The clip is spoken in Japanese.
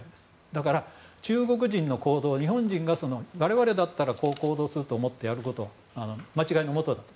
だから、中国人の行動を日本人が我々だったらこう行動すると思ってやることは間違いのもとだと。